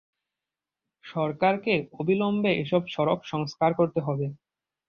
সরকারকে অবিলম্বে এসব সড়ক সংস্কার করতে হবে।